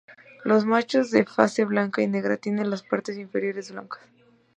Los machos de fase blanca y negra, tienen las partes inferiores blancas.